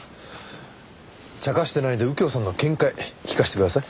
茶化してないで右京さんの見解聞かせてください。